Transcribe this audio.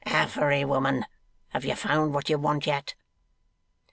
Affery, woman, have you found what you want yet?